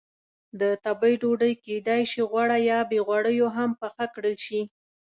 د تبۍ ډوډۍ کېدای شي غوړه یا بې غوړیو هم پخه کړل شي.